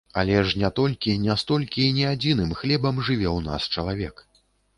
Але ж не толькі, не столькі і не адзіным хлебам жыве ў нас чалавек.